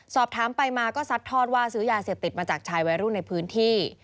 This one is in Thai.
สอบถามไปมาก็ซัดทอดว่าซื้อยาเสพติดมาจากชายวัยรุ่นในพื้นที่